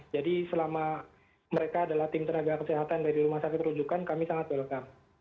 jadi selama mereka adalah tim tenaga kesehatan dari rumah sakit rujukan kami sangat welcome